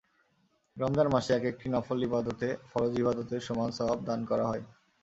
রমজান মাসে একেকটি নফল ইবাদতে ফরজ ইবাদতের সমান সওয়াব দান করা হয়।